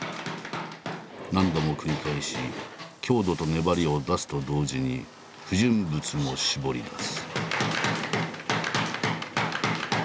何度も繰り返し強度と粘りを出すと同時に不純物も絞り出す。